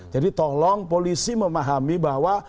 jadi tolong polisi memahami bahwa